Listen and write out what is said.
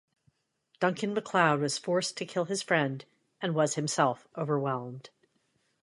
Duncan MacLeod was forced to kill his friend and was himself overwhelmed.